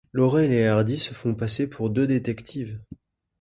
Laurel et Hardy se font passer pour deux détectives.